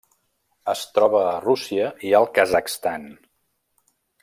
Es troba a Rússia i el Kazakhstan.